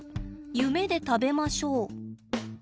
夢で食べましょう。